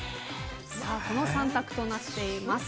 この３択となっています。